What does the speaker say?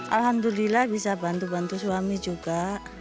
alhamdulillah bisa bantu bantu suami juga